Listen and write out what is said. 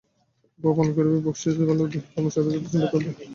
অল্প পান করেন, বকশিশ দেন ভালো, কর্মচারীদের যথাসময়ে বেতন দেয়।